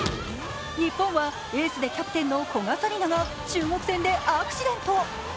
日本はエースでキャプテンの古賀紗理那が中国戦でアクシデント。